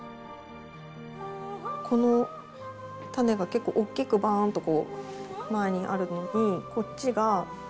この種が結構おっきくバーンとこう前にあるのにこっちが。